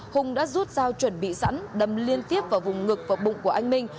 hùng đã rút dao chuẩn bị sẵn đâm liên tiếp vào vùng ngực và bụng của anh minh